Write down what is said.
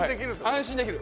安心できる。